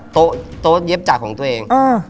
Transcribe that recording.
ตเย็บจักรของตัวเอง